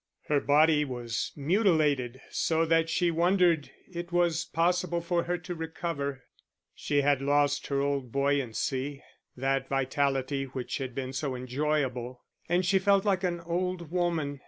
Her body was mutilated so that she wondered it was possible for her to recover; she had lost her old buoyancy, that vitality which had been so enjoyable, and she felt like an old woman.